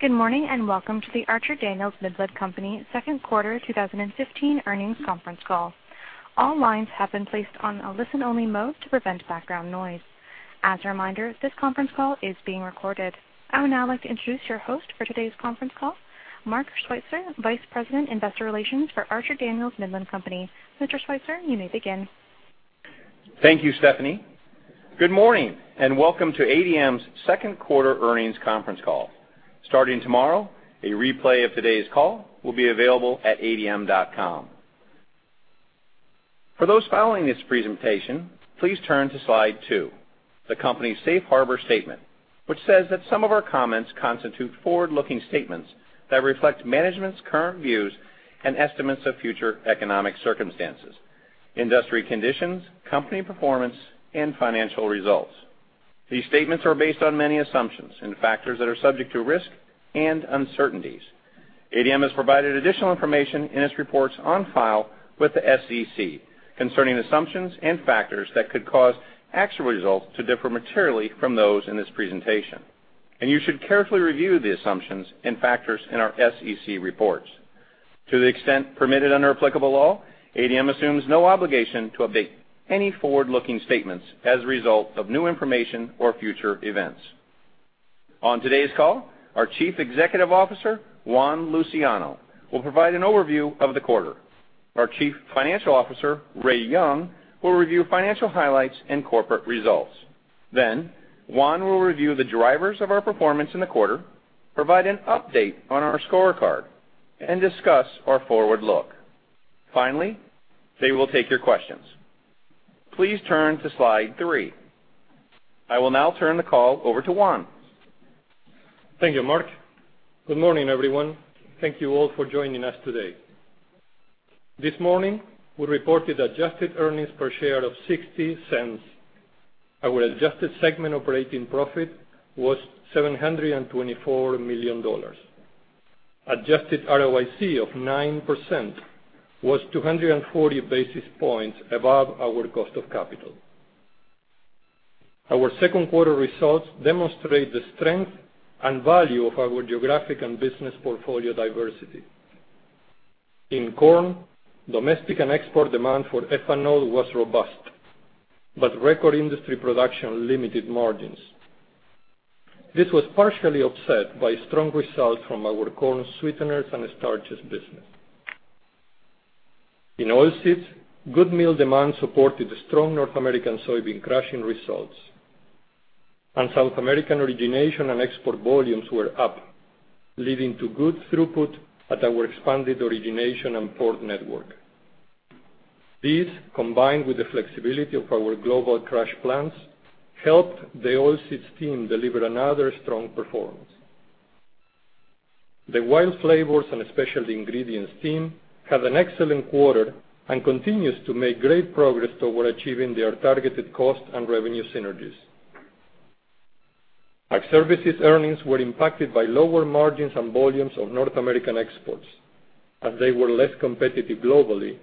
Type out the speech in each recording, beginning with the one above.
Good morning, and welcome to the Archer Daniels Midland Company second quarter 2015 earnings conference call. All lines have been placed on a listen-only mode to prevent background noise. As a reminder, this conference call is being recorded. I would now like to introduce your host for today's conference call, Mark Schweitzer, Vice President, Investor Relations for Archer Daniels Midland Company. Mr. Schweitzer, you may begin. Thank you, Stephanie. Good morning, and welcome to ADM's second quarter earnings conference call. Starting tomorrow, a replay of today's call will be available at adm.com. For those following this presentation, please turn to slide two, the company's safe harbor statement, which says that some of our comments constitute forward-looking statements that reflect management's current views and estimates of future economic circumstances, industry conditions, company performance, and financial results. These statements are based on many assumptions and factors that are subject to risk and uncertainties. ADM has provided additional information in its reports on file with the SEC concerning assumptions and factors that could cause actual results to differ materially from those in this presentation. You should carefully review the assumptions and factors in our SEC reports. To the extent permitted under applicable law, ADM assumes no obligation to update any forward-looking statements as a result of new information or future events. On today's call, our Chief Executive Officer, Juan Luciano, will provide an overview of the quarter. Our Chief Financial Officer, Ray Young, will review financial highlights and corporate results. Juan will review the drivers of our performance in the quarter, provide an update on our scorecard, and discuss our forward look. Finally, they will take your questions. Please turn to slide three. I will now turn the call over to Juan. Thank you, Mark. Good morning, everyone. Thank you all for joining us today. This morning, we reported adjusted earnings per share of $0.60. Our adjusted segment operating profit was $724 million. Adjusted ROIC of 9% was 240 basis points above our cost of capital. Our second quarter results demonstrate the strength and value of our geographic and business portfolio diversity. In corn, domestic and export demand for ethanol was robust, but record industry production limited margins. This was partially offset by strong results from our corn sweeteners and starches business. In oilseeds, good meal demand supported strong North American soybean crushing results, and South American origination and export volumes were up, leading to good throughput at our expanded origination and port network. These, combined with the flexibility of our global crush plants, helped the oilseeds team deliver another strong performance. The WILD Flavors and specialty ingredients team had an excellent quarter and continues to make great progress toward achieving their targeted cost and revenue synergies. Ag Services earnings were impacted by lower margins and volumes of North American exports, as they were less competitive globally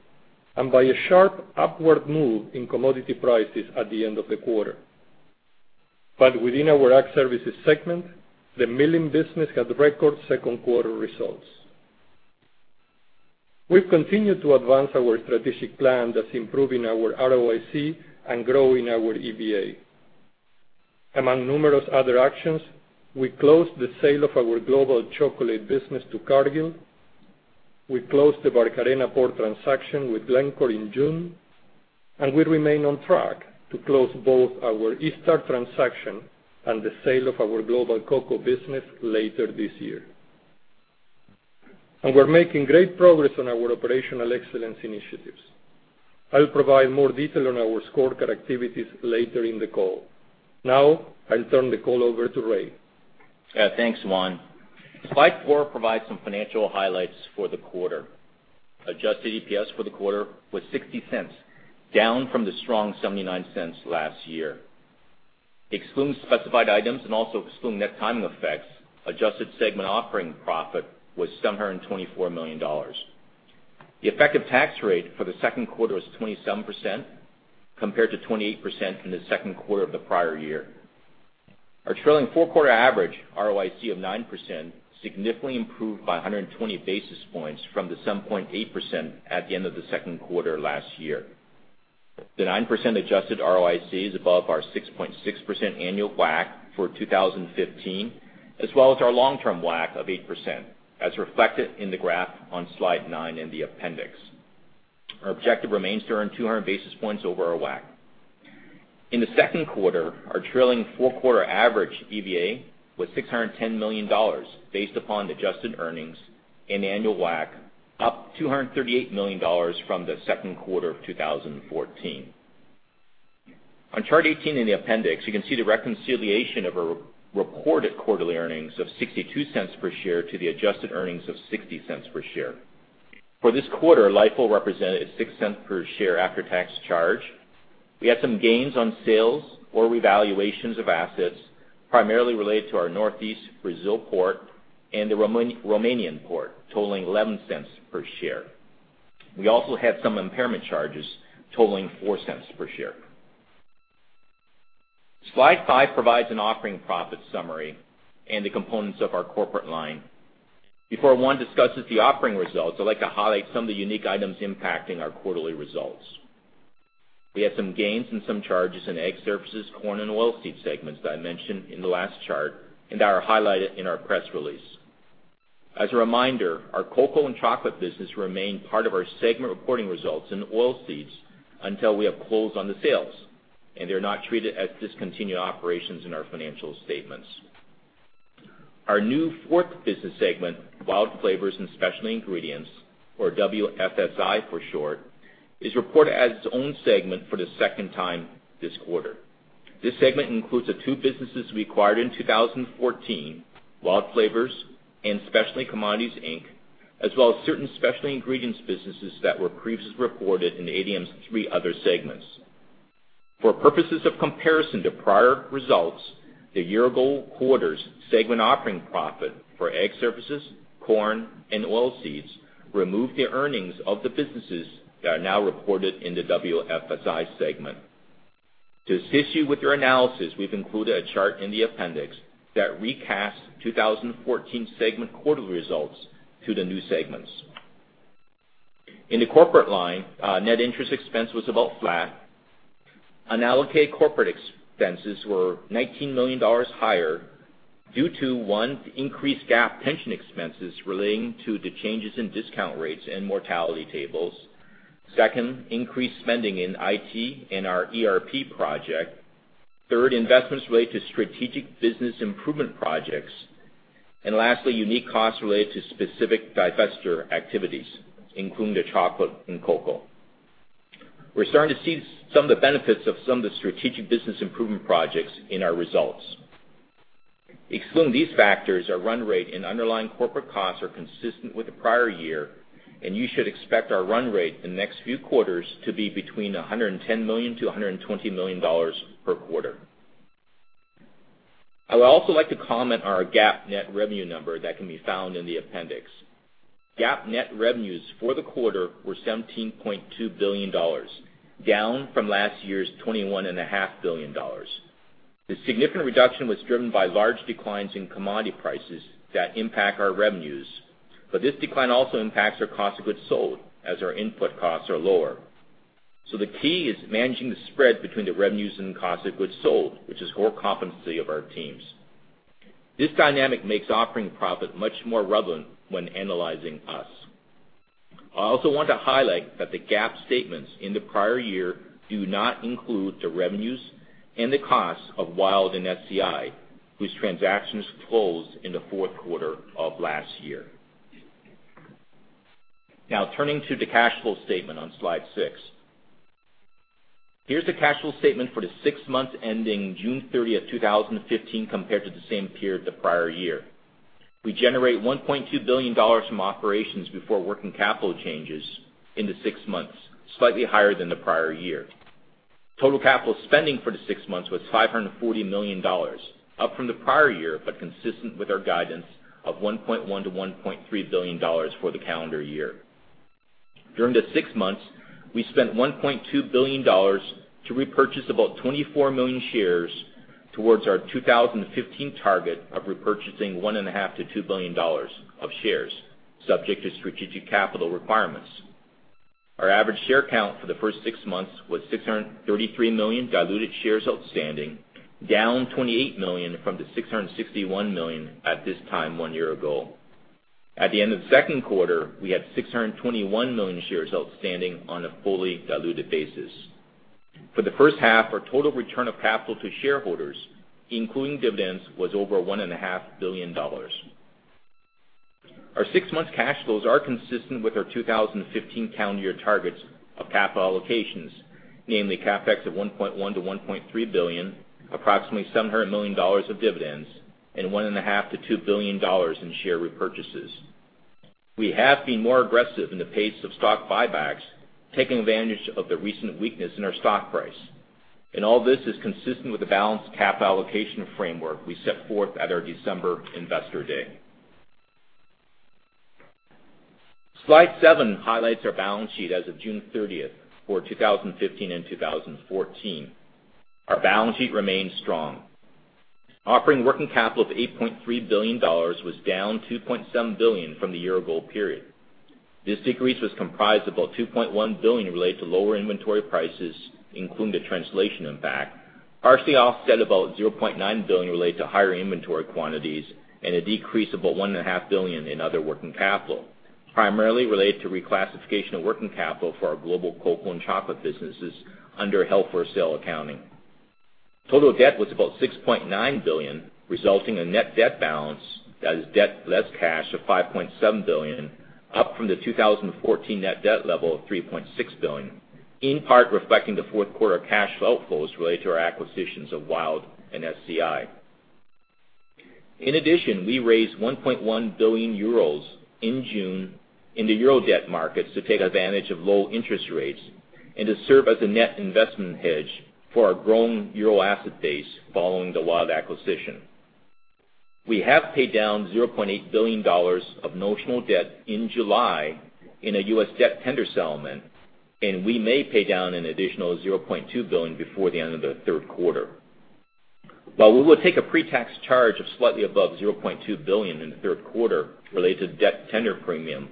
and by a sharp upward move in commodity prices at the end of the quarter. Within our Ag Services segment, the milling business had record second-quarter results. We've continued to advance our strategic plan that's improving our ROIC and growing our EVA. Among numerous other actions, we closed the sale of our global chocolate business to Cargill, we closed the Barcarena port transaction with Glencore in June, and we remain on track to close both our Eaststarch transaction and the sale of our global cocoa business later this year. We're making great progress on our operational excellence initiatives. I'll provide more detail on our scorecard activities later in the call. Now, I'll turn the call over to Ray. Thanks, Juan. Slide four provides some financial highlights for the quarter. Adjusted EPS for the quarter was $0.60, down from the strong $0.79 last year. Excluding specified items and also excluding net timing effects, adjusted segment offering profit was $724 million. The effective tax rate for the second quarter was 27%, compared to 28% in the second quarter of the prior year. Our trailing four-quarter average ROIC of 9% significantly improved by 120 basis points from the 7.8% at the end of the second quarter last year. The 9% adjusted ROIC is above our 6.6% annual WACC for 2015, as well as our long-term WACC of 8%, as reflected in the graph on slide nine in the appendix. Our objective remains to earn 200 basis points over our WACC. In the second quarter, our trailing four-quarter average EVA was $610 million, based upon adjusted earnings and annual WACC, up $238 million from the second quarter of 2014. On chart 18 in the appendix, you can see the reconciliation of our reported quarterly earnings of $0.62 per share to the adjusted earnings of $0.60 per share. For this quarter, LIFO represented a $0.06 per share after-tax charge. We had some gains on sales or revaluations of assets primarily related to our Northeast Brazil port and the Romanian port, totaling $0.11 per share. We also had some impairment charges totaling $0.04 per share. Slide five provides an operating profit summary and the components of our corporate line. Before one discusses the operating results, I'd like to highlight some of the unique items impacting our quarterly results. We had some gains and some charges in Ag Services, corn, and oilseed segments that I mentioned in the last chart and are highlighted in our press release. As a reminder, our cocoa and chocolate business remain part of our segment reporting results in oilseeds until we have closed on the sales, and they're not treated as discontinued operations in our financial statements. Our new fourth business segment, WILD Flavors and Specialty Ingredients, or WFSI for short, is reported as its own segment for the second time this quarter. This segment includes the two businesses we acquired in 2014, WILD Flavors and Specialty Commodities Inc., as well as certain specialty ingredients businesses that were previously reported in ADM's three other segments. For purposes of comparison to prior results, the year-ago quarter's segment operating profit for Ag Services, corn, and oilseeds removed the earnings of the businesses that are now reported in the WFSI segment. To assist you with your analysis, we've included a chart in the appendix that recasts 2014 segment quarterly results to the new segments. In the corporate line, net interest expense was about flat. Unallocated corporate expenses were $19 million higher due to one, increased GAAP pension expenses relating to the changes in discount rates and mortality tables. Second, increased spending in IT and our ERP project. Third, investments related to strategic business improvement projects. Lastly, unique costs related to specific divestiture activities, including the chocolate and cocoa. We're starting to see some of the benefits of some of the strategic business improvement projects in our results. Excluding these factors, our run rate and underlying corporate costs are consistent with the prior year, and you should expect our run rate the next few quarters to be between $110 million-$120 million per quarter. I would also like to comment on our GAAP net revenue number that can be found in the appendix. GAAP net revenues for the quarter were $17.2 billion, down from last year's $21.5 billion. This significant reduction was driven by large declines in commodity prices that impact our revenues, but this decline also impacts our cost of goods sold as our input costs are lower. The key is managing the spread between the revenues and cost of goods sold, which is core competency of our teams. This dynamic makes operating profit much more relevant when analyzing us. I also want to highlight that the GAAP statements in the prior year do not include the revenues and the costs of WILD and SCI, whose transactions closed in the fourth quarter of last year. Now turning to the cash flow statement on slide six. Here's the cash flow statement for the six months ending June 30, 2015, compared to the same period the prior year. We generate $1.2 billion from operations before working capital changes in the six months, slightly higher than the prior year. Total capital spending for the six months was $540 million, up from the prior year, but consistent with our guidance of $1.1 billion-$1.3 billion for the calendar year. During the six months, we spent $1.2 billion to repurchase about 24 million shares towards our 2015 target of repurchasing $1.5 billion-$2 billion of shares, subject to strategic capital requirements. Our average share count for the first six months was 633 million diluted shares outstanding, down 28 million from the 661 million at this time one year ago. At the end of the second quarter, we had 621 million shares outstanding on a fully diluted basis. For the first half, our total return of capital to shareholders, including dividends, was over $1.5 billion. Our six months cash flows are consistent with our 2015 calendar year targets of capital allocations, namely CapEx of $1.1 billion-$1.3 billion, approximately $700 million of dividends, and $1.5 billion-$2 billion in share repurchases. We have been more aggressive in the pace of stock buybacks, taking advantage of the recent weakness in our stock price. All this is consistent with the balanced capital allocation framework we set forth at our December investor day. Slide seven highlights our balance sheet as of June 30th for 2015 and 2014. Our balance sheet remains strong. Operating working capital of $8.3 billion was down $2.7 billion from the year-ago period. This decrease was comprised of about $2.1 billion related to lower inventory prices, including the translation impact, partially offset about $0.9 billion related to higher inventory quantities and a decrease of about $1.5 billion in other working capital, primarily related to reclassification of working capital for our global cocoa and chocolate businesses under held for sale accounting. Total debt was about $6.9 billion, resulting in net debt balance, that is, debt less cash of $5.7 billion, up from the 2014 net debt level of $3.6 billion, in part reflecting the fourth quarter cash outflows related to our acquisitions of WILD and SCI. In addition, we raised €1.1 billion in June in the euro debt markets to take advantage of low interest rates and to serve as a net investment hedge for our growing euro asset base following the WILD acquisition. We have paid down $0.8 billion of notional debt in July in a U.S. debt tender settlement, and we may pay down an additional $0.2 billion before the end of the third quarter. While we will take a pre-tax charge of slightly above $0.2 billion in the third quarter related to debt tender premium,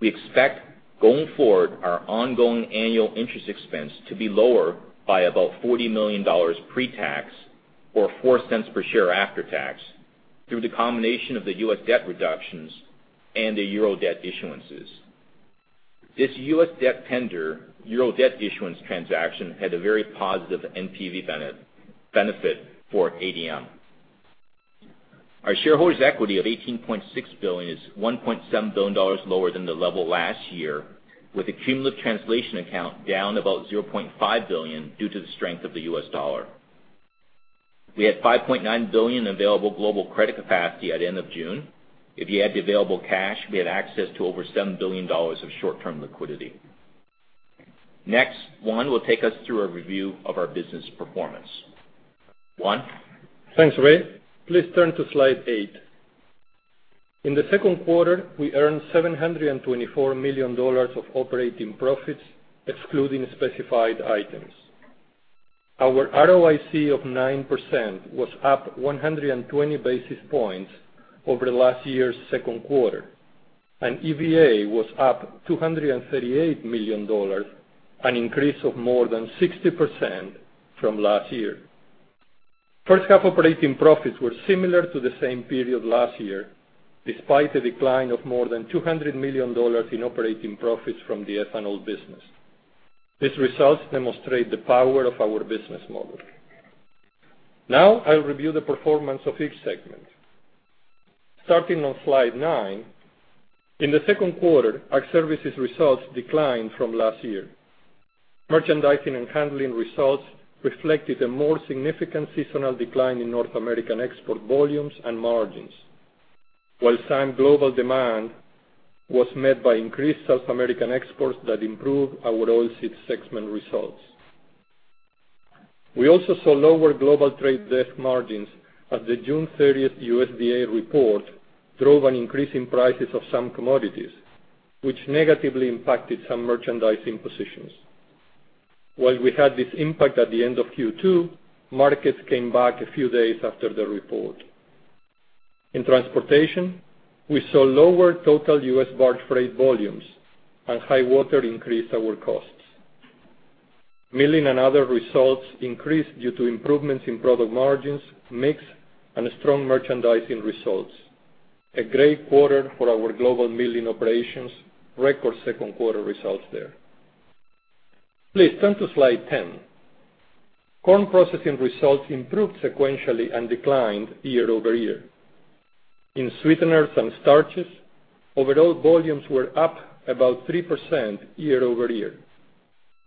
we expect going forward our ongoing annual interest expense to be lower by about $40 million pre-tax or $0.04 per share after tax through the combination of the U.S. debt reductions and the euro debt issuances. This U.S. debt tender, euro debt issuance transaction had a very positive NPV benefit for ADM. Our shareholders' equity of $18.6 billion, $1.7 billion lower than the level last year, with a cumulative translation account down about $0.5 billion due to the strength of the U.S. dollar. We had $5.9 billion available global credit capacity at the end of June. If you add the available cash, we had access to over $7 billion of short-term liquidity. Next, Juan will take us through a review of our business performance. Juan? Thanks, Ray. Please turn to slide eight. In the second quarter, we earned $724 million of operating profits, excluding specified items. Our ROIC of 9% was up 120 basis points over last year's second quarter, and EVA was up $238 million, an increase of more than 60% from last year. First half operating profits were similar to the same period last year, despite a decline of more than $200 million in operating profits from the ethanol business. These results demonstrate the power of our business model. I'll review the performance of each segment. Starting on slide nine. In the second quarter, our Ag Services results declined from last year. Merchandising and handling results reflected a more significant seasonal decline in North American export volumes and margins. While swine global demand was met by increased South American exports that improved our oil seeds segment results. We also saw lower global trade desk margins as the June 30th USDA report drove an increase in prices of some commodities, which negatively impacted some merchandising positions. While we had this impact at the end of Q2, markets came back a few days after the report. In transportation, we saw lower total U.S. barge freight volumes and high water increased our costs. Milling and other results increased due to improvements in product margins, mix, and strong merchandising results. A great quarter for our global milling operations. Record second-quarter results there. Please turn to slide ten. Corn processing results improved sequentially and declined year-over-year. In sweeteners and starches, overall volumes were up about 3% year-over-year.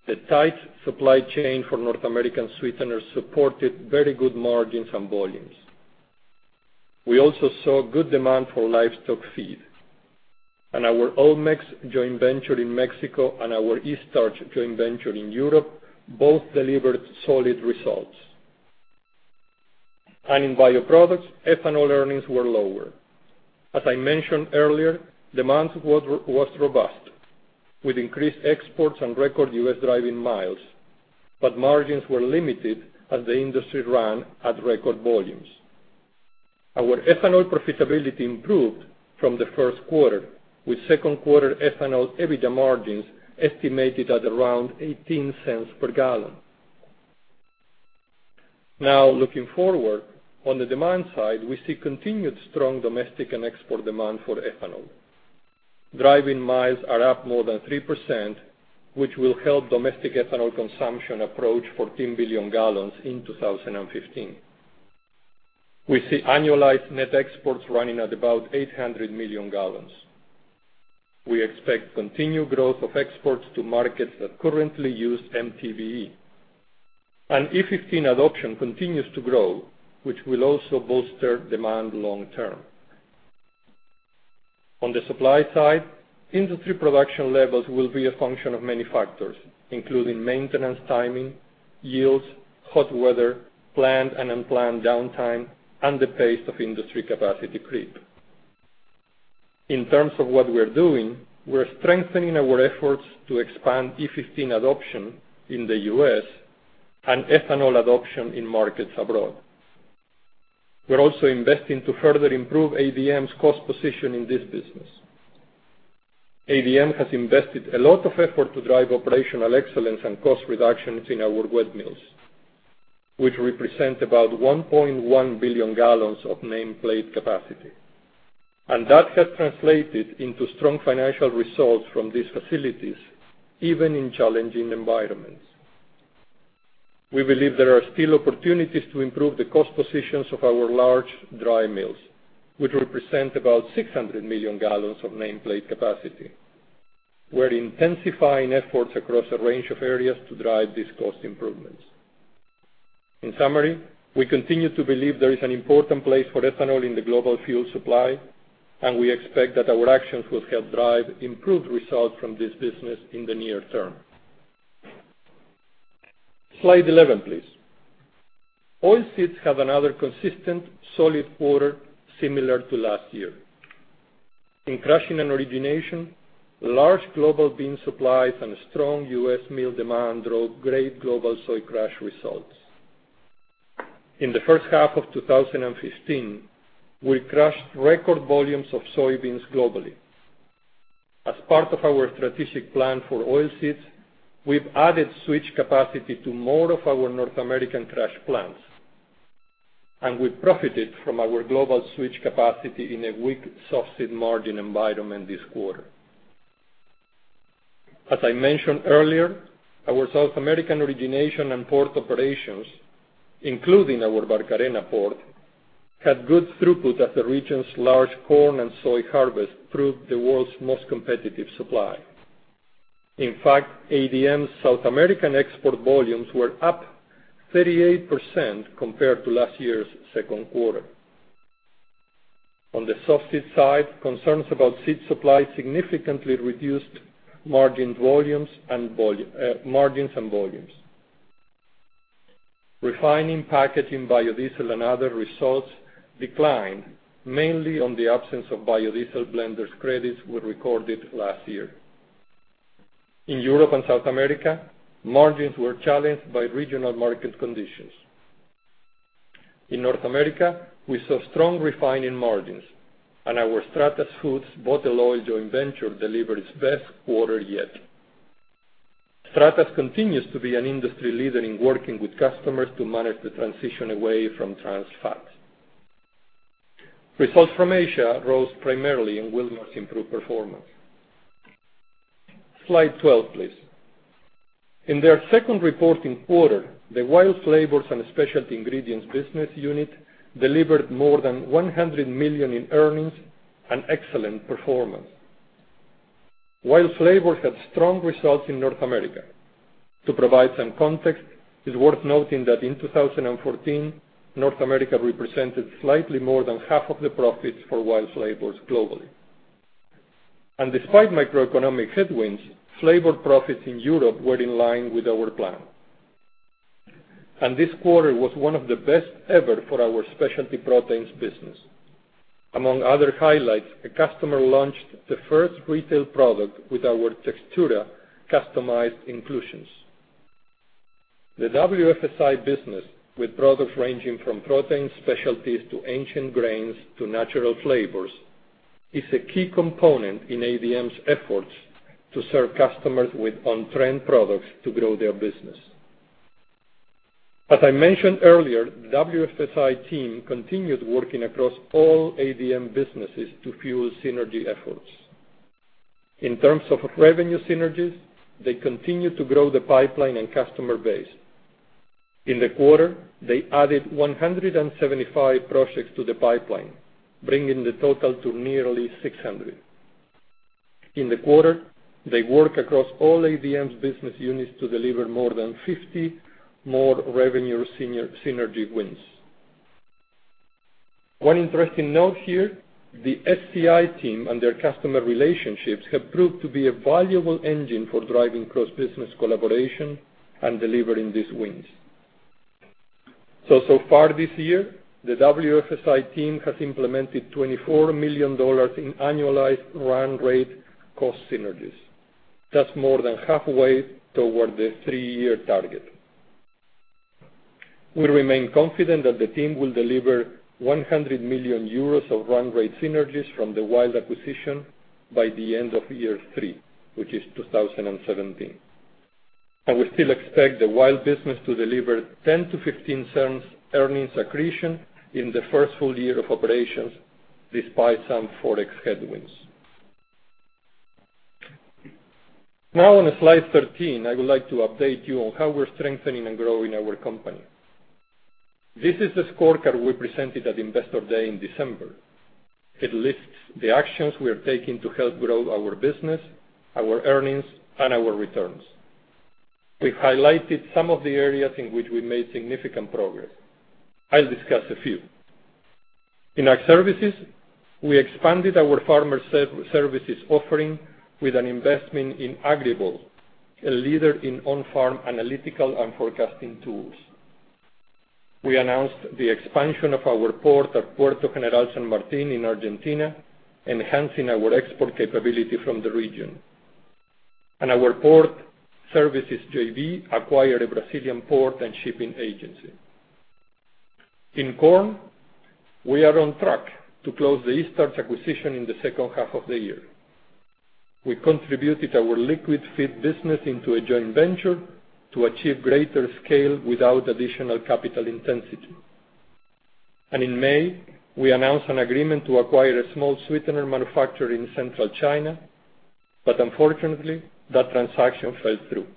The tight supply chain for North American sweeteners supported very good margins and volumes. We also saw good demand for livestock feed. Our Almex joint venture in Mexico and our Eaststarch joint venture in Europe both delivered solid results. In bioproducts, ethanol earnings were lower. As I mentioned earlier, demand was robust with increased exports and record U.S. driving miles, but margins were limited as the industry ran at record volumes. Our ethanol profitability improved from the first quarter, with second quarter ethanol EBITDA margins estimated at around $0.18 per gallon. Looking forward, on the demand side, we see continued strong domestic and export demand for ethanol. Driving miles are up more than 3%, which will help domestic ethanol consumption approach 14 billion gallons in 2015. We see annualized net exports running at about 800 million gallons. We expect continued growth of exports to markets that currently use MTBE. E15 adoption continues to grow, which will also bolster demand long term. On the supply side, industry production levels will be a function of many factors, including maintenance timing, yields, hot weather, planned and unplanned downtime, and the pace of industry capacity creep. In terms of what we're doing, we're strengthening our efforts to expand E15 adoption in the U.S. and ethanol adoption in markets abroad. We're also investing to further improve ADM's cost position in this business. ADM has invested a lot of effort to drive operational excellence and cost reductions in our wet mills, which represent about 1.1 billion gallons of nameplate capacity. That has translated into strong financial results from these facilities, even in challenging environments. We believe there are still opportunities to improve the cost positions of our large dry mills, which represent about 600 million gallons of nameplate capacity. We're intensifying efforts across a range of areas to drive these cost improvements. In summary, we continue to believe there is an important place for ethanol in the global fuel supply, and we expect that our actions will help drive improved results from this business in the near term. Slide 11, please. Oilseeds had another consistent solid quarter, similar to last year. In crushing and origination, large global bean supplies and strong U.S. meal demand drove great global soy crush results. In the first half of 2015, we crushed record volumes of soybeans globally. As part of our strategic plan for oilseeds, we've added switch capacity to more of our North American crush plants. We profited from our global switch capacity in a weak softseed margin environment this quarter. As I mentioned earlier, our South American origination and port operations, including our Barcarena port, had good throughput as the region's large corn and soy harvest proved the world's most competitive supply. In fact, ADM's South American export volumes were up 38% compared to last year's second quarter. On the softseed side, concerns about seed supply significantly reduced margins and volumes. Refining, packaging, biodiesel, and other results declined, mainly on the absence of biodiesel blender credits we recorded last year. In Europe and South America, margins were challenged by regional market conditions. In North America, we saw strong refining margins, and our Stratas Foods bottle oil joint venture delivered its best quarter yet. Stratas continues to be an industry leader in working with customers to manage the transition away from trans fats. Results from Asia rose primarily in Wilmar's improved performance. Slide 12, please. In their second reporting quarter, the WILD Flavors and Specialty Ingredients business unit delivered more than $100 million in earnings, an excellent performance. WILD Flavors had strong results in North America. To provide some context, it's worth noting that in 2014, North America represented slightly more than half of the profits for WILD Flavors globally. Despite microeconomic headwinds, flavor profits in Europe were in line with our plan. This quarter was one of the best ever for our specialty proteins business. Among other highlights, a customer launched the first retail product with our Textura customized inclusions. The WFSI business, with products ranging from protein specialties to ancient grains to natural flavors, is a key component in ADM's efforts to serve customers with on-trend products to grow their business. As I mentioned earlier, the WFSI team continues working across all ADM businesses to fuel synergy efforts. In terms of revenue synergies, they continue to grow the pipeline and customer base. In the quarter, they added 175 projects to the pipeline, bringing the total to nearly 600. In the quarter, they worked across all ADM's business units to deliver more than 50 more revenue synergy wins. One interesting note here, the WFSI team and their customer relationships have proved to be a valuable engine for driving cross-business collaboration and delivering these wins. So far this year, the WFSI team has implemented $24 million in annualized run rate cost synergies. That's more than halfway toward the three-year target. We remain confident that the team will deliver 100 million euros of run rate synergies from the WILD acquisition by the end of year three, which is 2017. We still expect the WILD business to deliver $0.10 to $0.15 earnings accretion in the first full year of operations, despite some forex headwinds. On slide 13, I would like to update you on how we're strengthening and growing our company. This is the scorecard we presented at Investor Day in December. It lists the actions we are taking to help grow our business, our earnings, and our returns. We've highlighted some of the areas in which we made significant progress. I'll discuss a few. In Ag Services, we expanded our farmer services offering with an investment in Agrible, a leader in on-farm analytical and forecasting tools. We announced the expansion of our port at Puerto General San Martín in Argentina, enhancing our export capability from the region. Our port services JV acquired a Brazilian port and shipping agency. In corn, we are on track to close the Eaststarch acquisition in the second half of the year. We contributed our liquid feed business into a joint venture to achieve greater scale without additional capital intensity. In May, we announced an agreement to acquire a small sweetener manufacturer in central China, but unfortunately, that transaction fell through.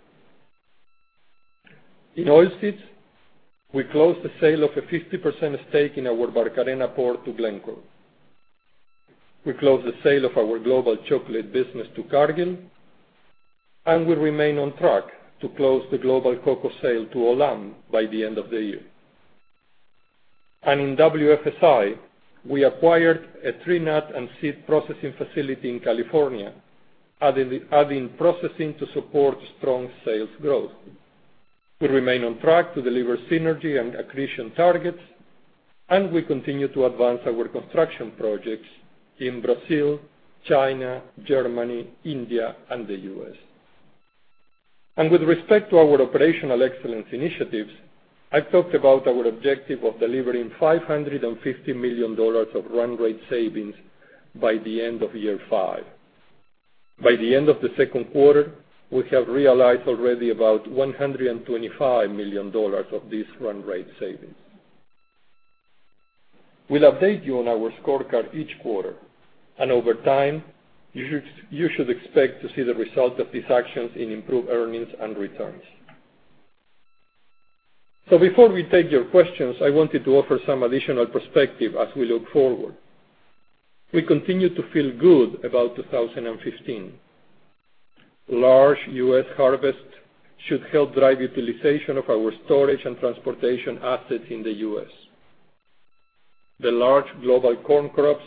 In oilseeds, we closed the sale of a 50% stake in our Barcarena port to Glencore. We closed the sale of our global chocolate business to Cargill, and we remain on track to close the global cocoa sale to Olam by the end of the year. In WFSI, we acquired a tree nut and seed processing facility in California, adding processing to support strong sales growth. We remain on track to deliver synergy and accretion targets, and we continue to advance our construction projects in Brazil, China, Germany, India, and the U.S. With respect to our operational excellence initiatives, I've talked about our objective of delivering $550 million of run rate savings by the end of year five. By the end of the second quarter, we have realized already about $125 million of these run rate savings. We'll update you on our scorecard each quarter, and over time, you should expect to see the result of these actions in improved earnings and returns. Before we take your questions, I wanted to offer some additional perspective as we look forward. We continue to feel good about 2015. Large U.S. harvest should help drive utilization of our storage and transportation assets in the U.S. The large global corn crops,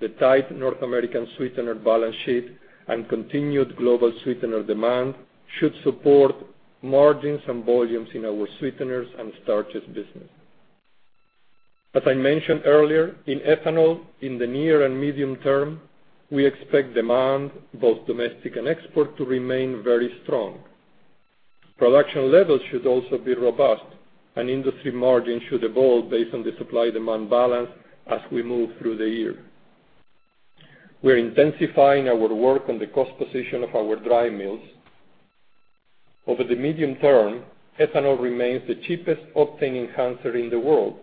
the tight North American sweetener balance sheet, and continued global sweetener demand should support margins and volumes in our sweeteners and starches business. As I mentioned earlier, in ethanol, in the near and medium term, we expect demand, both domestic and export, to remain very strong. Production levels should also be robust, and industry margins should evolve based on the supply-demand balance as we move through the year. We're intensifying our work on the cost position of our dry mills. Over the medium term, ethanol remains the cheapest octane enhancer in the world,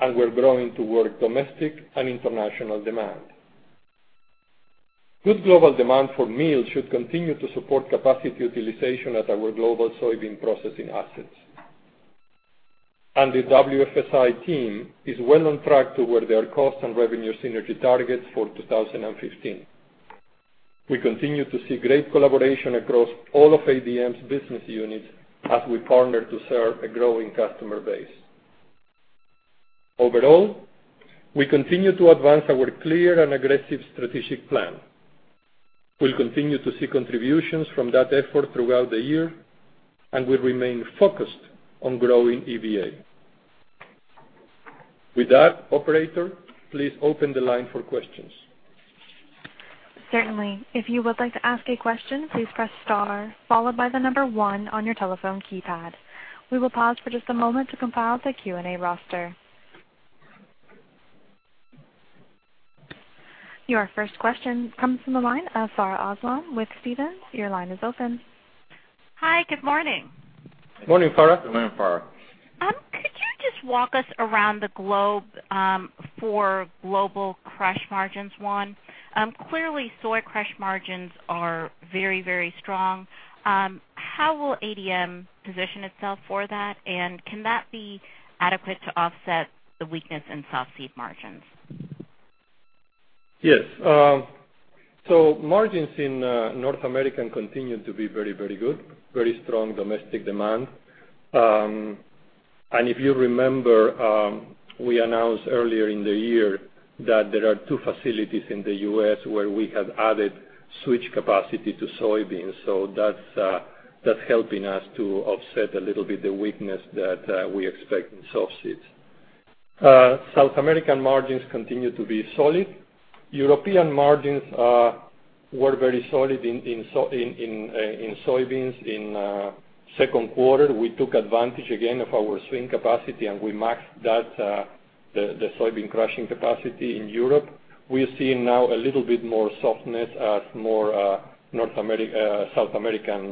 and we're growing toward domestic and international demand. Good global demand for meal should continue to support capacity utilization at our global soybean processing assets. The WFSI team is well on track toward their cost and revenue synergy targets for 2015. We continue to see great collaboration across all of ADM's business units as we partner to serve a growing customer base. Overall, we continue to advance our clear and aggressive strategic plan. We'll continue to see contributions from that effort throughout the year, and we remain focused on growing EVA. With that, operator, please open the line for questions. Certainly. If you would like to ask a question, please press star followed by the number one on your telephone keypad. We will pause for just a moment to compile the Q&A roster. Your first question comes from the line of Farha Aslam with Stephens. Your line is open. Hi, good morning. Morning, Farha. Morning, Farha. Could you just walk us around the globe, for global crush margins, Juan? Clearly, soy crush margins are very strong. How will ADM position itself for that? Can that be adequate to offset the weakness in soft seed margins? Yes. Margins in North America continue to be very good. Very strong domestic demand. If you remember, we announced earlier in the year that there are two facilities in the U.S. where we have added switch capacity to soybeans. That's helping us to offset a little bit the weakness that we expect in soft seeds. South American margins continue to be solid. European margins were very solid in soybeans in second quarter. We took advantage again of our swing capacity, we maxed that, the soybean crushing capacity in Europe. We are seeing now a little bit more softness as more South American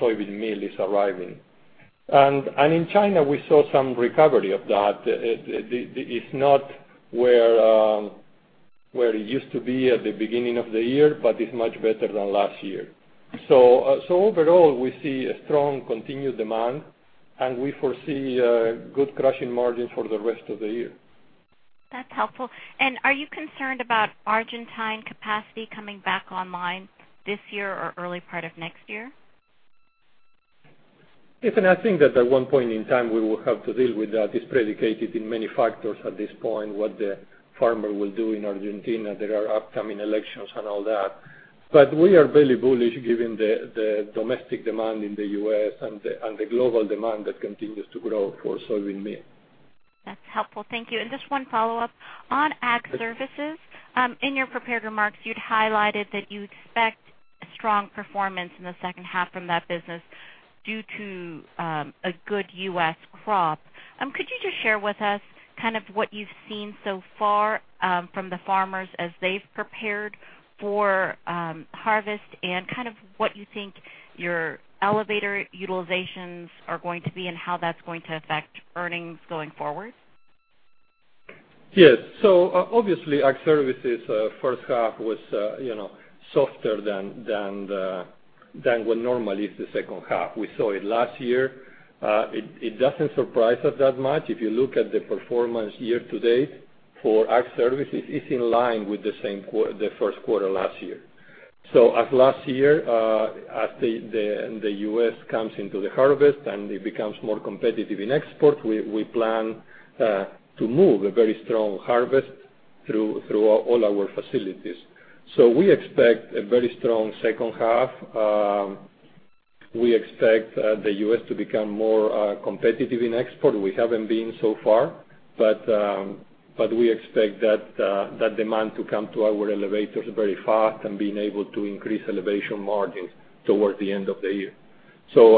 soybean meal is arriving. In China, we saw some recovery of that. It's not where it used to be at the beginning of the year, but it's much better than last year. Overall, we see a strong continued demand, and we foresee good crushing margins for the rest of the year. That's helpful. Are you concerned about Argentine capacity coming back online this year or early part of next year? I think that at one point in time, we will have to deal with that. It's predicated in many factors at this point, what the farmer will do in Argentina. There are upcoming elections and all that. We are very bullish given the domestic demand in the U.S. and the global demand that continues to grow for soybean meal. That's helpful. Thank you. Just one follow-up. On Ag Services, in your prepared remarks, you'd highlighted that you expect a strong performance in the second half from that business due to a good U.S. crop. Could you just share with us, kind of what you've seen so far from the farmers as they've prepared for harvest and kind of what you think your elevator utilizations are going to be and how that's going to affect earnings going forward? Yes. Obviously, Ag Services first half was softer than what normally is the second half. We saw it last year. It doesn't surprise us that much. If you look at the performance year to date for Ag Services is in line with the first quarter last year. As last year, as the U.S. comes into the harvest and it becomes more competitive in export, we plan to move a very strong harvest through all our facilities. We expect a very strong second half. We expect the U.S. to become more competitive in export. We haven't been so far, we expect that demand to come to our elevators very fast and being able to increase elevation margins towards the end of the year.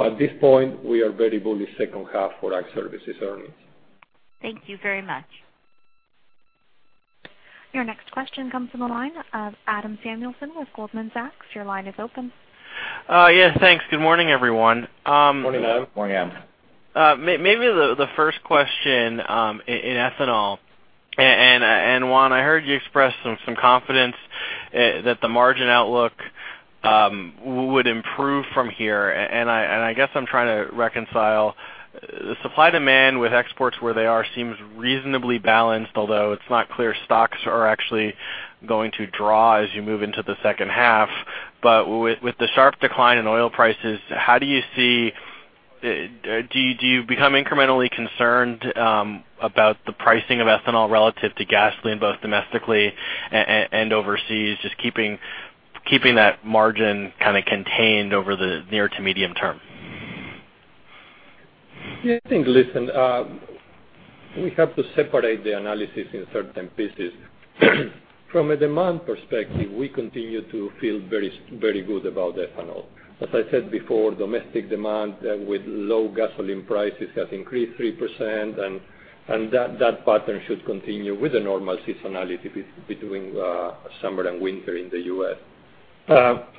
At this point, we are very bullish second half for Ag Services earnings. Thank you very much. Your next question comes from the line of Adam Samuelson with Goldman Sachs. Your line is open. Yes, thanks. Good morning, everyone. Morning, Adam. Morning, Adam. Maybe the first question, in ethanol. Juan, I heard you express some confidence that the margin outlook would improve from here, I guess I'm trying to reconcile the supply-demand with exports where they are seems reasonably balanced, although it's not clear stocks are actually going to draw as you move into the second half. With the sharp decline in oil prices, do you become incrementally concerned about the pricing of ethanol relative to gasoline, both domestically and overseas, just keeping that margin kind of contained over the near to medium term? We have to separate the analysis in certain pieces. From a demand perspective, we continue to feel very good about ethanol. As I said before, domestic demand with low gasoline prices has increased 3%, that pattern should continue with the normal seasonality between summer and winter in the U.S.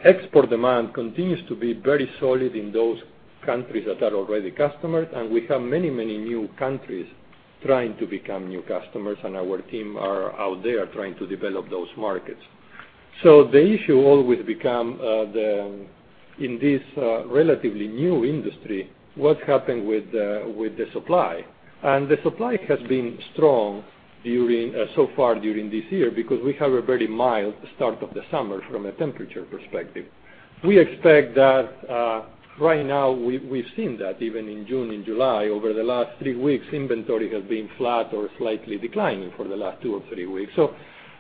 Export demand continues to be very solid in those countries that are already customers, we have many new countries trying to become new customers, and our team are out there trying to develop those markets. The issue always become, in this relatively new industry, what happened with the supply. The supply has been strong so far during this year because we have a very mild start of the summer from a temperature perspective. We expect that right now we've seen that even in June and July. Over the last three weeks, inventory has been flat or slightly declining for the last two or three weeks.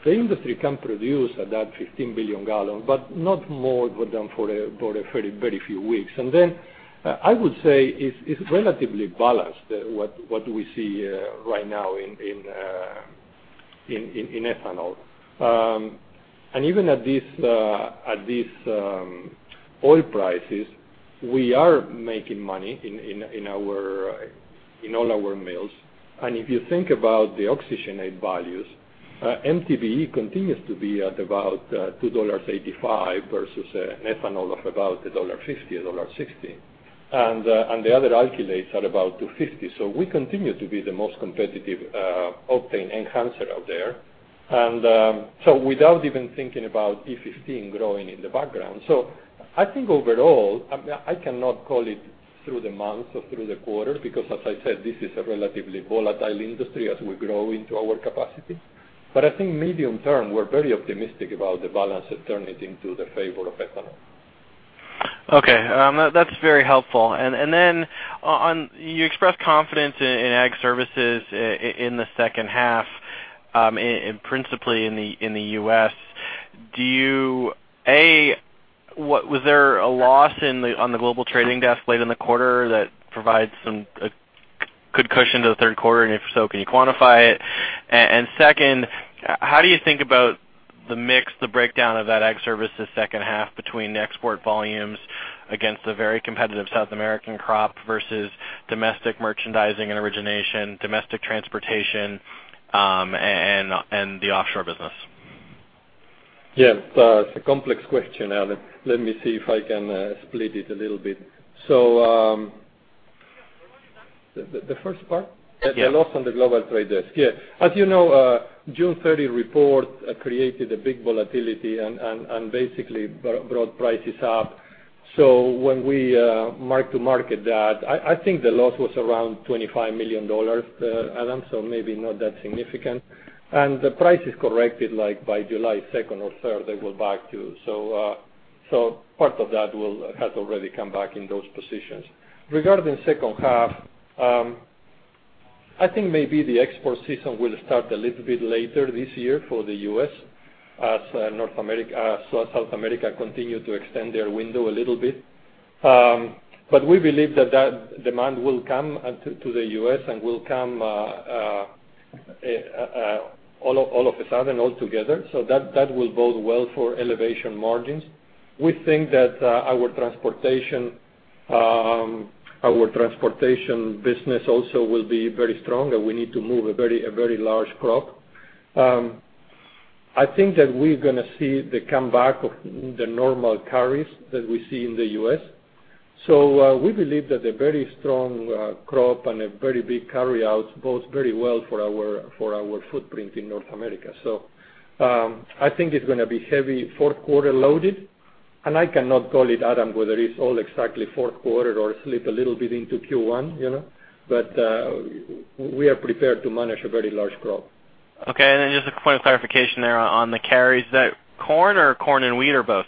The industry can produce at that 15 billion gallons, but not more than for a very few weeks. I would say it's relatively balanced, what we see right now in ethanol. Even at these oil prices, we are making money in all our mills. If you think about the oxygenate values, MTBE continues to be at about $2.85 versus ethanol of about $1.50, $1.60. The other alkylates are about $2.50. We continue to be the most competitive octane enhancer out there. Without even thinking about E15 growing in the background. I think overall, I cannot call it through the month or through the quarter because as I said, this is a relatively volatile industry as we grow into our capacity. I think medium term, we're very optimistic about the balance turning into the favor of ethanol. Okay. That's very helpful. You expressed confidence in Ag Services in the second half, principally in the U.S. A, was there a loss on the global trading desk late in the quarter that provides some good cushion to the third quarter? If so, can you quantify it? Second, how do you think about the mix, the breakdown of that Ag Services second half between the export volumes against the very competitive South American crop versus domestic merchandising and origination, domestic transportation, and the offshore business? Yes. It's a complex question, Adam. Let me see if I can split it a little bit. The first part? Yeah. The loss on the global trade desk. Yeah. As you know, June 30 report created a big volatility and basically brought prices up. When we mark to market that, I think the loss was around $25 million, Adam, maybe not that significant. The price is corrected, like by July 2nd or 3rd, they go back too. Part of that has already come back in those positions. Regarding second half, I think maybe the export season will start a little bit later this year for the U.S. as South America continue to extend their window a little bit. We believe that that demand will come to the U.S. and will come all of a sudden all together. That will bode well for elevation margins. We think that our transportation business also will be very strong, we need to move a very large crop. I think that we're going to see the comeback of the normal carries that we see in the U.S. We believe that a very strong crop and a very big carry out bodes very well for our footprint in North America. I think it's going to be heavy fourth quarter loaded. I cannot call it, Adam, whether it's all exactly fourth quarter or slip a little bit into Q1. We are prepared to manage a very large growth. Okay. Just a point of clarification there on the carries. Is that corn or corn and wheat, or both?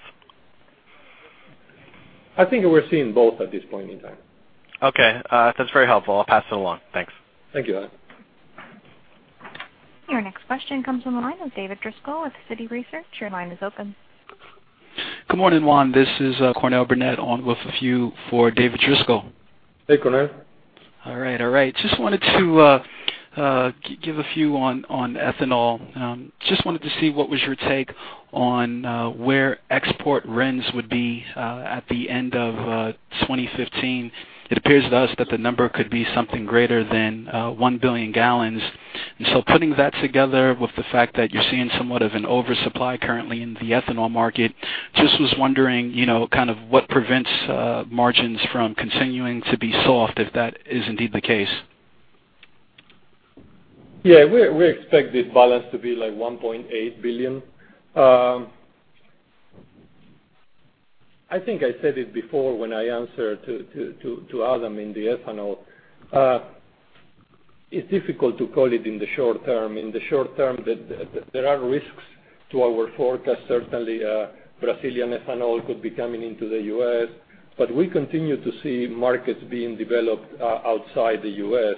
I think we're seeing both at this point in time. Okay. That's very helpful. I'll pass it along. Thanks. Thank you, Adam. Your next question comes from the line of David Driscoll with Citi Research. Your line is open. Good morning, Juan. This is Cornell Burnette on with a few for David Driscoll. Hey, Cornell. All right. Just wanted to give a few on ethanol. Just wanted to see what was your take on where export RINs would be at the end of 2015. It appears to us that the number could be something greater than 1 billion gallons. Putting that together with the fact that you're seeing somewhat of an oversupply currently in the ethanol market, just was wondering kind of what prevents margins from continuing to be soft if that is indeed the case. Yeah, we expect this balance to be like $1.8 billion. I think I said it before when I answered to Adam in the ethanol. It's difficult to call it in the short term. In the short term, there are risks to our forecast. Certainly, Brazilian ethanol could be coming into the U.S., but we continue to see markets being developed outside the U.S.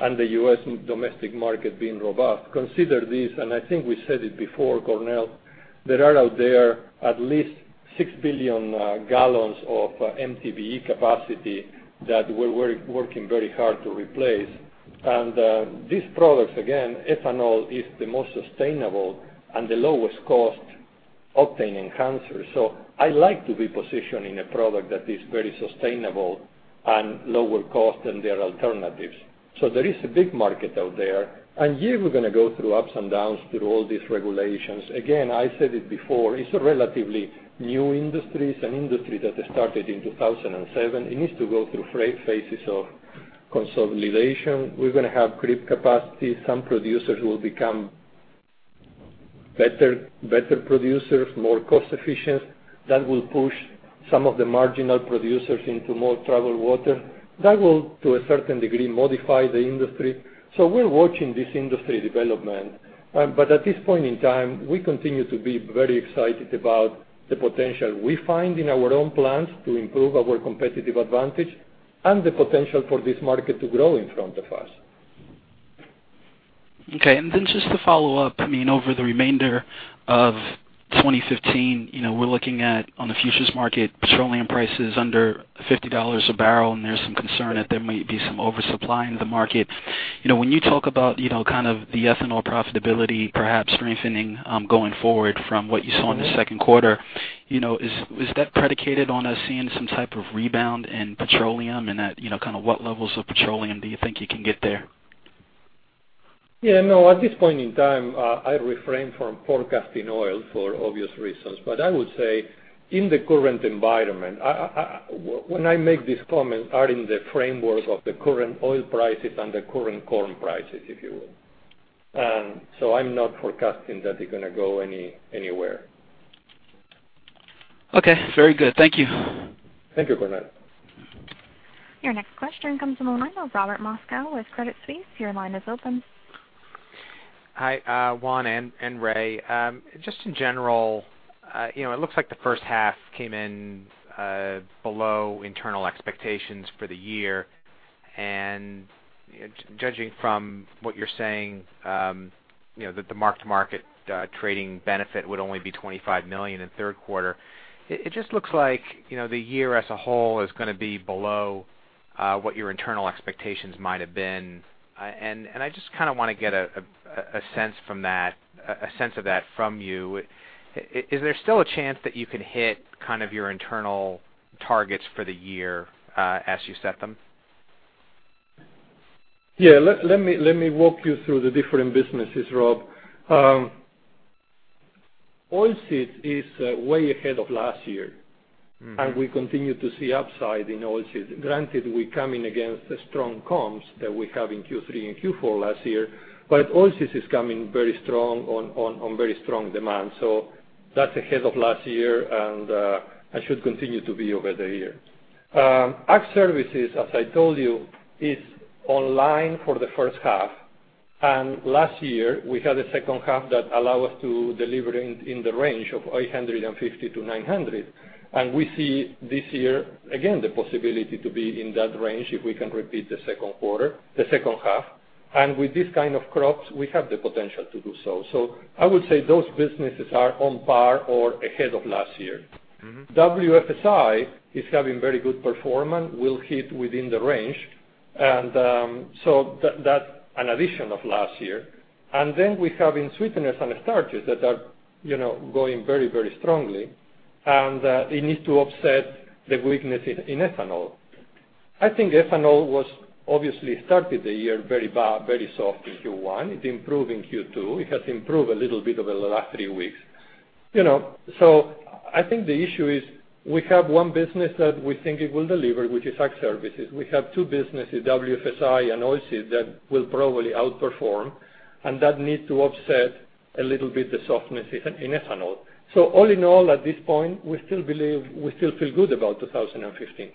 and the U.S. domestic market being robust. Consider this, and I think we said it before, Cornell, there are out there at least 6 billion gallons of MTBE capacity that we're working very hard to replace. These products, again, ethanol is the most sustainable and the lowest cost octane enhancer. I like to be positioned in a product that is very sustainable and lower cost than their alternatives. There is a big market out there, here we're going to go through ups and downs through all these regulations. Again, I said it before, it's a relatively new industry. It's an industry that started in 2007. It needs to go through phases of consolidation. We're going to have great capacity. Some producers will become better producers, more cost efficient. That will push some of the marginal producers into more troubled water. That will, to a certain degree, modify the industry. We're watching this industry development. At this point in time, we continue to be very excited about the potential we find in our own plans to improve our competitive advantage and the potential for this market to grow in front of us. Just to follow up, over the remainder of 2015, we're looking at, on the futures market, petroleum prices under $50 a barrel. There's some concern that there might be some oversupply in the market. When you talk about kind of the ethanol profitability perhaps strengthening going forward from what you saw in the second quarter, is that predicated on us seeing some type of rebound in petroleum? At what levels of petroleum do you think you can get there? Yeah, no. At this point in time, I refrain from forecasting oil for obvious reasons. I would say, in the current environment, when I make these comments are in the framework of the current oil prices and the current corn prices, if you will. I'm not forecasting that they're going to go anywhere. Okay. Very good. Thank you. Thank you, Cornell. Your next question comes from the line of Robert Moskow with Credit Suisse. Your line is open. Hi Juan and Ray. Just in general, it looks like the first half came in below internal expectations for the year. Judging from what you're saying, that the mark-to-market trading benefit would only be $25 million in third quarter. It just looks like the year as a whole is going to be below what your internal expectations might have been. I just kind of want to get a sense of that from you. Is there still a chance that you can hit kind of your internal targets for the year as you set them? Yeah. Let me walk you through the different businesses, Rob. Oilseed is way ahead of last year. We continue to see upside in Oilseed. Granted, we come in against the strong comps that we have in Q3 and Q4 last year, Oilseed is coming very strong on very strong demand. That's ahead of last year and it should continue to be over the year. Ag Services, as I told you, is online for the first half. Last year, we had a second half that allow us to deliver in the range of $850-$900. We see this year, again, the possibility to be in that range if we can repeat the second half. With this kind of crops, we have the potential to do so. I would say those businesses are on par or ahead of last year. WFSI is having very good performance, will hit within the range. That's an addition of last year. We have in sweeteners and starches that are going very strongly, and it needs to offset the weakness in ethanol. I think ethanol obviously started the year very soft in Q1. It improved in Q2. It has improved a little bit over the last three weeks. I think the issue is we have one business that we think it will deliver, which is Ag Services. We have two businesses, WFSI and Oilseed, that will probably outperform, and that need to offset a little bit the softness in ethanol. All in all, at this point, we still feel good about 2015.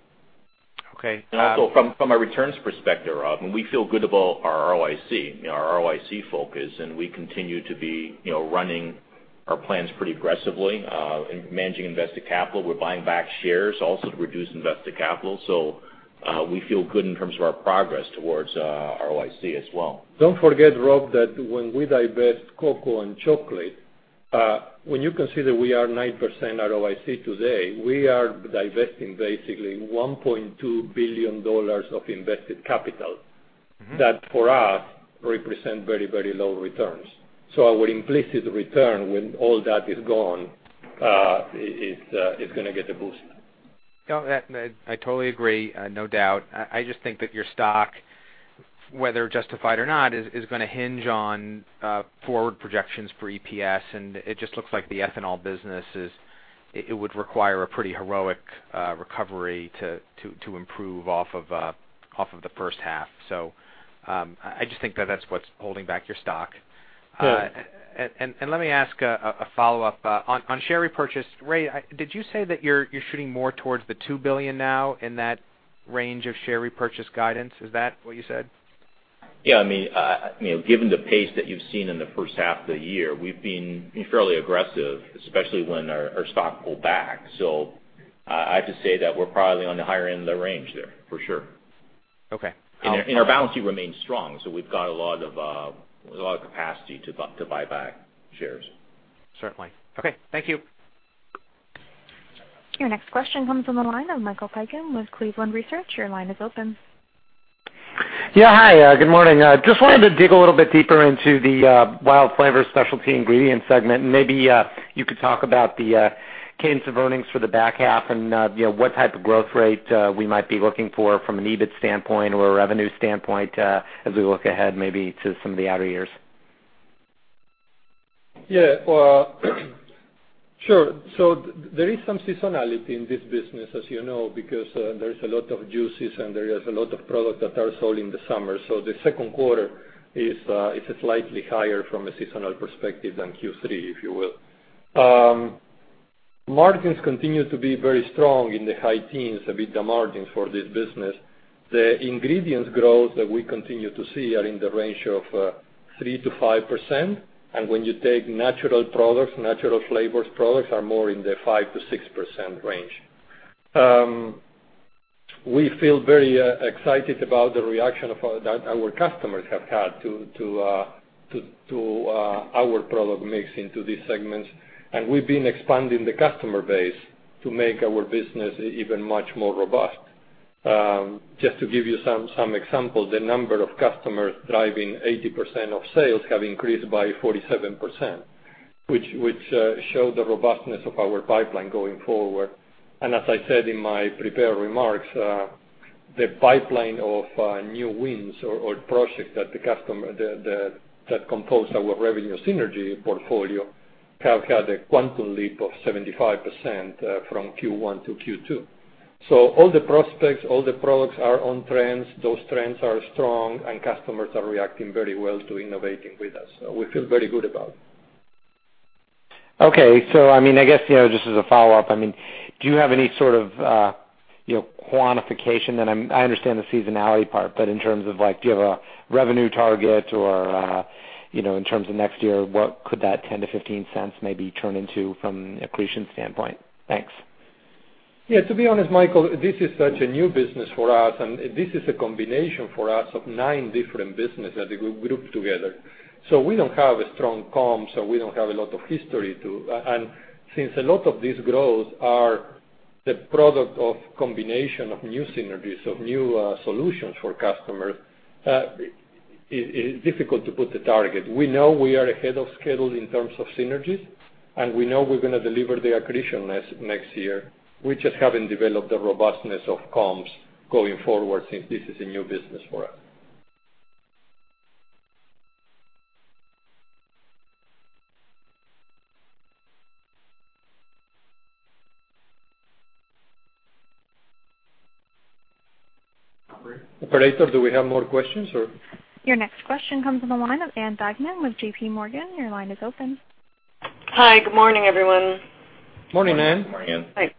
Okay. Also from a returns perspective, Rob, we feel good about our ROIC focus, we continue to be running our plans pretty aggressively, managing invested capital. We're buying back shares also to reduce invested capital. We feel good in terms of our progress towards ROIC as well. Don't forget, Rob, that when we divest cocoa and chocolate, when you consider we are 9% ROIC today, we are divesting basically $1.2 billion of invested capital. That, for us, represent very low returns. Our implicit return when all that is gone, is going to get a boost. No, I totally agree. No doubt. I just think that your stock, whether justified or not, is going to hinge on forward projections for EPS, and it just looks like the ethanol business would require a pretty heroic recovery to improve off of the first half. I just think that that's what's holding back your stock. Sure. Let me ask a follow-up. On share repurchase, Ray, did you say that you're shooting more towards the $2 billion now in that range of share repurchase guidance? Is that what you said? Yeah, given the pace that you've seen in the first half of the year, we've been fairly aggressive, especially when our stock pulled back. I have to say that we're probably on the higher end of the range there, for sure. Okay. Our balance sheet remains strong, so we've got a lot of capacity to buy back shares. Certainly. Okay. Thank you. Your next question comes from the line of Michael Piken with Cleveland Research. Your line is open. Yeah, hi. Good morning. Just wanted to dig a little bit deeper into the WILD Flavors specialty ingredient segment, and maybe you could talk about the cadence of earnings for the back half and what type of growth rate we might be looking for from an EBIT standpoint or a revenue standpoint as we look ahead, maybe to some of the outer years. Yeah. Sure. There is some seasonality in this business, as you know, because there's a lot of juices and there is a lot of product that are sold in the summer. The second quarter is slightly higher from a seasonal perspective than Q3, if you will. Margins continue to be very strong in the high teens, EBITDA margins for this business. The ingredients growth that we continue to see are in the range of 3%-5%. When you take natural products, natural flavors products are more in the 5%-6% range. We feel very excited about the reaction that our customers have had to our product mix into these segments, and we've been expanding the customer base to make our business even much more robust. Just to give you some examples, the number of customers driving 80% of sales have increased by 47%, which show the robustness of our pipeline going forward. As I said in my prepared remarks, the pipeline of new wins or projects that compose our revenue synergy portfolio have had a quantum leap of 75% from Q1 to Q2. All the prospects, all the products are on trends. Those trends are strong, and customers are reacting very well to innovating with us, so we feel very good about it. Okay. I guess, just as a follow-up, do you have any sort of quantification? I understand the seasonality part, but in terms of, do you have a revenue target or, in terms of next year, what could that $0.10-$0.15 maybe turn into from accretion standpoint? Thanks. Yeah, to be honest, Michael, this is such a new business for us, and this is a combination for us of nine different businesses that we group together. We don't have a strong comp. Since a lot of these growths are the product of combination of new synergies, of new solutions for customers, it is difficult to put the target. We know we are ahead of schedule in terms of synergies, and we know we're going to deliver the accretion next year. We just haven't developed the robustness of comps going forward, since this is a new business for us. Operator, do we have more questions? Your next question comes from the line of Ann Duignan with JPMorgan. Your line is open. Hi, good morning, everyone. Morning, Ann. Morning, Ann. Thanks.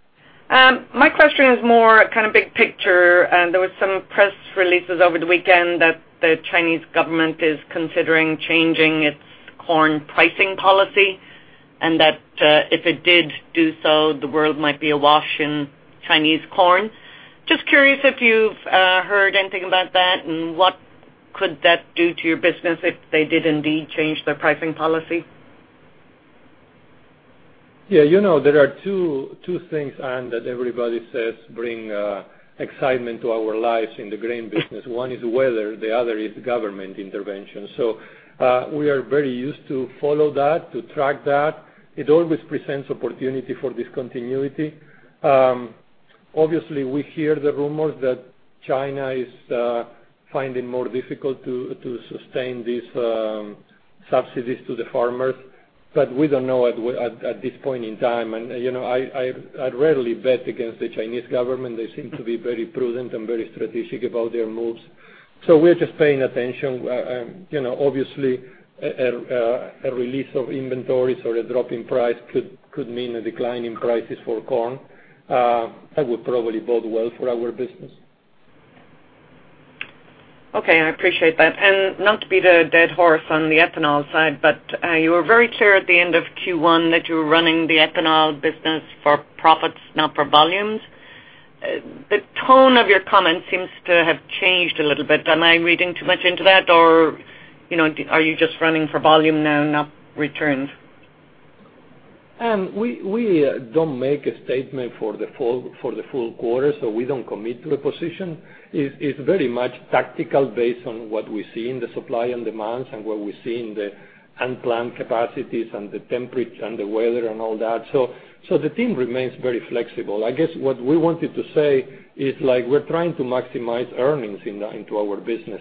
My question is more kind of big picture. There was some press releases over the weekend that the Chinese government is considering changing its corn pricing policy, and that if it did do so, the world might be awash in Chinese corn. Just curious if you've heard anything about that, and what could that do to your business if they did indeed change their pricing policy? There are two things, Ann, that everybody says bring excitement to our lives in the grain business. One is weather, the other is government intervention. We are very used to follow that, to track that. It always presents opportunity for discontinuity. We hear the rumors that China is finding more difficult to sustain these subsidies to the farmers, but we don't know at this point in time. I'd rarely bet against the Chinese government. They seem to be very prudent and very strategic about their moves. We're just paying attention. A release of inventories or a drop in price could mean a decline in prices for corn. That would probably bode well for our business. I appreciate that. Not to beat a dead horse on the ethanol side, but you were very clear at the end of Q1 that you were running the ethanol business for profits, not for volumes. The tone of your comment seems to have changed a little bit. Am I reading too much into that, or are you just running for volume now, not returns? We don't make a statement for the full quarter, so we don't commit to a position. It's very much tactical based on what we see in the supply and demands and what we see in the unplanned capacities and the weather and all that. The team remains very flexible. I guess what we wanted to say is we're trying to maximize earnings into our business.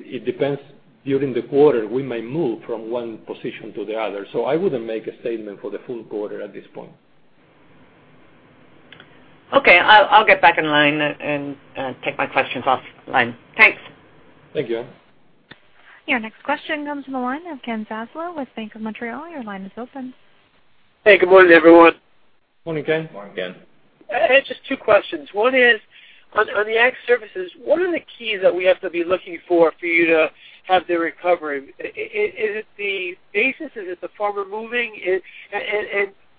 It depends. During the quarter, we may move from one position to the other. I wouldn't make a statement for the full quarter at this point. Okay. I'll get back in line and take my questions off line. Thanks. Thank you. Your next question comes from the line of Ken Zaslow with Bank of Montreal. Your line is open. Hey, good morning, everyone. Morning, Ken. Morning, Ken. I had just two questions. One is on the Ag Services, what are the keys that we have to be looking for you to have the recovery? Is it the basis? Is it the farmer moving?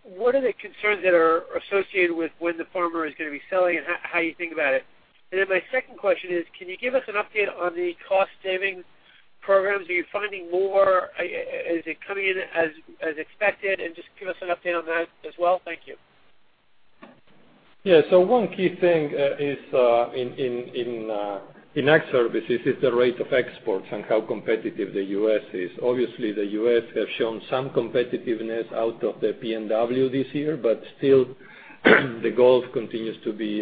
What are the concerns that are associated with when the farmer is going to be selling and how you think about it? Then my second question is, can you give us an update on the cost-savings programs? Are you finding more? Is it coming in as expected? Just give us an update on that as well. Thank you. Yeah. One key thing in Ag Services is the rate of exports and how competitive the U.S. is. Obviously, the U.S. has shown some competitiveness out of the PNW this year, but still, the goal continues to be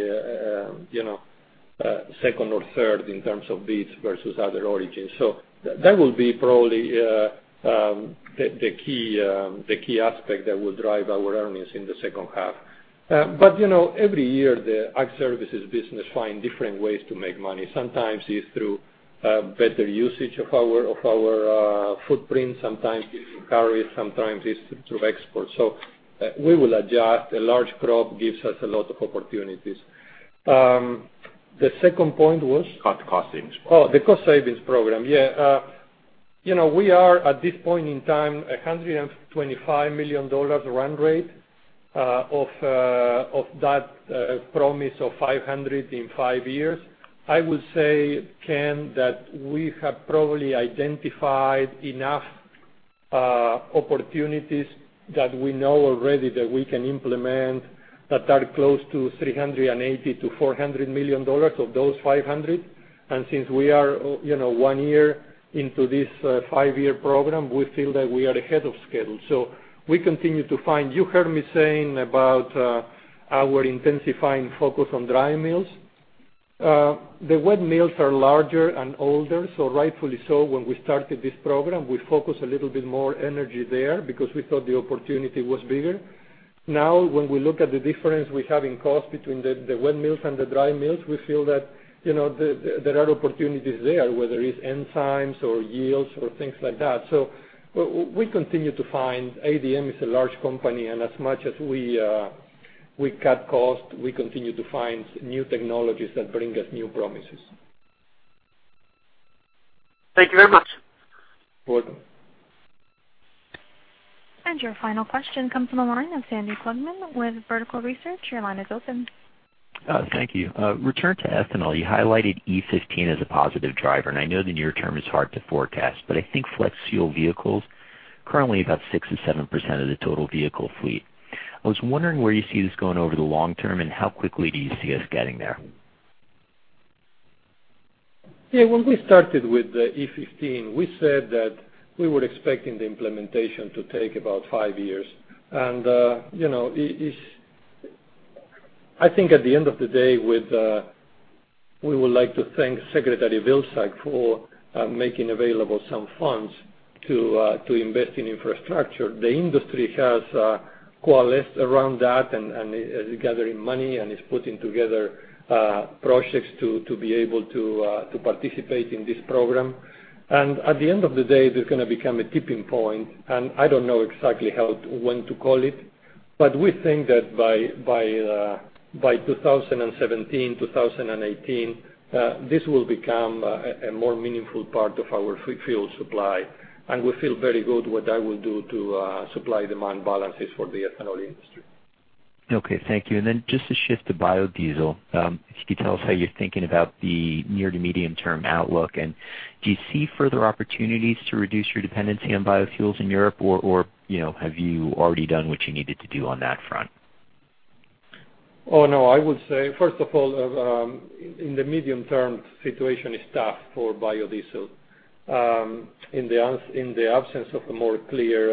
second or third in terms of basis versus other origins. That will be probably the key aspect that will drive our earnings in the second half. Every year, the Ag Services business find different ways to make money. Sometimes it's through better usage of our footprint, sometimes it's through carriers, sometimes it's through exports. We will adjust. A large crop gives us a lot of opportunities. The second point was? Cost savings program. Oh, the cost savings program. Yeah. We are, at this point in time, $125 million run rate of that promise of $500 million in five years. I would say, Ken, that we have probably identified enough opportunities that we know already that we can implement that are close to $380 million-$400 million of those $500 million. Since we are one year into this five-year program, we feel that we are ahead of schedule. We continue to find, you heard me saying about our intensifying focus on dry mills. The wet mills are larger and older, so rightfully so, when we started this program, we focused a little bit more energy there because we thought the opportunity was bigger. When we look at the difference we have in cost between the wet mills and the dry mills, we feel that there are opportunities there, whether it's enzymes or yields or things like that. We continue to find ADM is a large company, and as much as we cut cost, we continue to find new technologies that bring us new promises. Thank you very much. You're welcome. Your final question comes from the line of Sandy Klugman with Vertical Research. Your line is open. Thank you. Return to ethanol. You highlighted E15 as a positive driver, I know the near term is hard to forecast, but I think flex fuel vehicles currently about 6%-7% of the total vehicle fleet. I was wondering where you see this going over the long term and how quickly do you see us getting there? When we started with the E15, we said that we were expecting the implementation to take about five years. I think at the end of the day, we would like to thank Secretary Vilsack for making available some funds to invest in infrastructure. The industry has coalesced around that and is gathering money and is putting together projects to be able to participate in this program. At the end of the day, there's going to become a tipping point, and I don't know exactly when to call it. But we think that by 2017, 2018, this will become a more meaningful part of our fuel supply. We feel very good what that will do to supply-demand balances for the ethanol industry. Okay, thank you. Just to shift to biodiesel, if you could tell us how you're thinking about the near to medium-term outlook, do you see further opportunities to reduce your dependency on biofuels in Europe or have you already done what you needed to do on that front? Oh, no. I would say, first of all, in the medium term, situation is tough for biodiesel. In the absence of a more clear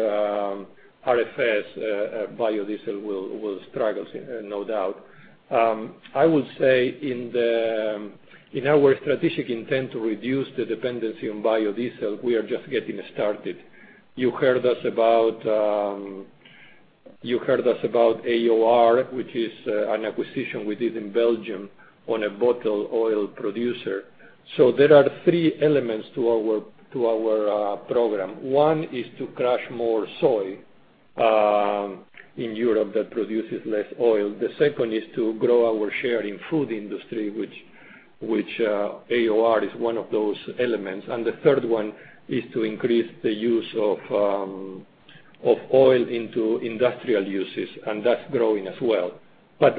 RFS, biodiesel will struggle, no doubt. I would say in our strategic intent to reduce the dependency on biodiesel, we are just getting started. You heard us about AOR, which is an acquisition we did in Belgium on a bottled oil producer. There are three elements to our program. One is to crush more soy in Europe that produces less oil. The second is to grow our share in food industry, which AOR is one of those elements. The third one is to increase the use of oil into industrial uses, and that's growing as well.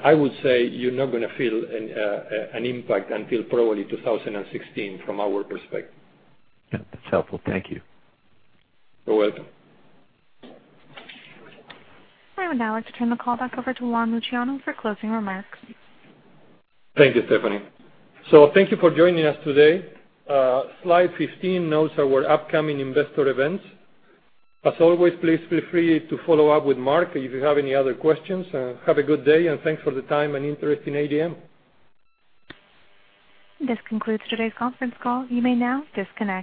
I would say you're not going to feel an impact until probably 2016 from our perspective. Yeah. That's helpful. Thank you. You're welcome. I would now like to turn the call back over to Juan Luciano for closing remarks. Thank you, Stephanie. Thank you for joining us today. Slide 15 notes our upcoming investor events. As always, please feel free to follow up with Mark if you have any other questions. Have a good day, and thanks for the time and interest in ADM. This concludes today's conference call. You may now disconnect.